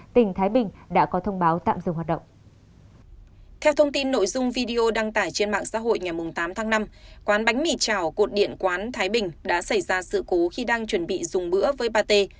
trên nội dung video đăng tải trên mạng xã hội ngày tám tháng năm quán bánh mì chảo cột điện quán thái bình đã xảy ra sự cố khi đang chuẩn bị dùng bữa với pate